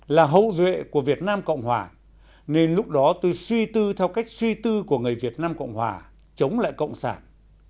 là hậu duệ của việt nam cộng hòa nên lúc đó tôi suy tư theo cách suy tư của người việt nam cộng hòa chống lại cộng sản